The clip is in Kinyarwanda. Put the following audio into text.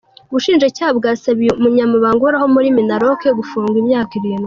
Ubushinjacyaha bwasabiye Umunyabanga Uhoraho muri Minaloke, gufungwa imyaka irindwi